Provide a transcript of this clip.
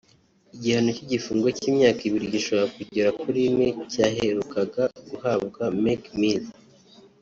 Igihano cy’igifungo cy’imyaka ibiri ishobora kugera kuri ine cyaherukaga guhabwa Meek Mill